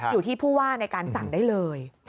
อยู่ที่ผู้ว่าในการสั่งได้เลย